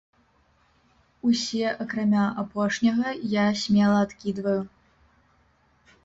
Усе акрамя апошняга я смела адкідваю.